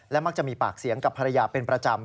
มักจะมีปากเสียงกับภรรยาเป็นประจำ